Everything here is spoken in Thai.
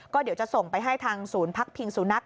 ก็เดี๋ยวจะส่งไปให้ทางศูนย์พักพิงสุนัข